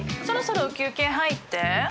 そろそろ休憩入って。